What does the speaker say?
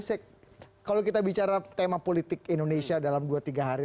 saya kalau kita bicara tema politik indonesia dalam dua tiga hari